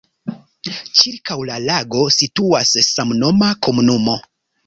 Ĉirkaŭ la lago situas samnoma komunumo.